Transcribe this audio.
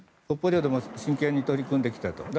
北方領土も真剣に取り組んできたと。